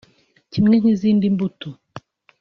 kimwe n’izindi mbuto